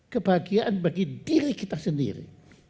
kebahagiaan bagi diri kita sendiri